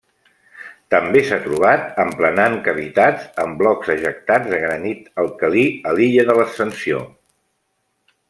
També s'ha trobat emplenant cavitats en blocs ejectats de granit alcalí a l'illa de l'Ascensió.